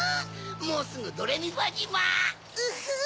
もうすぐドレミファじま！